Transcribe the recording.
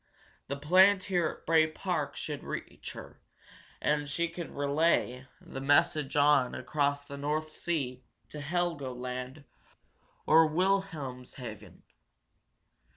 The plant here at Bray Park could reach her, and she could relay the message on across the North Sea, to Helgoland or Wilhelmshaven.